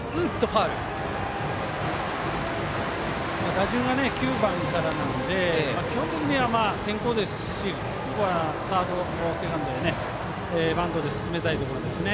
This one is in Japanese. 打順が９番からなので基本的には先攻ですしここはサード、セカンドへバントで進めたいところですね。